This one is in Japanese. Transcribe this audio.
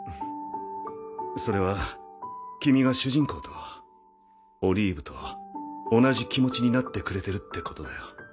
それは君が主人公とオリーブと同じ気持ちになってくれてるってことだよ。